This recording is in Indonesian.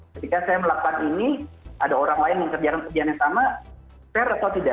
ketika saya melakukan ini ada orang lain yang kerjakan pekerjaan yang sama fair atau tidak